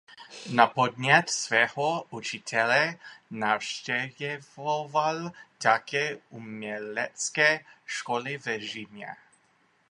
Na podnět svého učitele navštěvoval také umělecké školy v Římě.